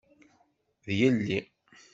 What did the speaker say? D yelli.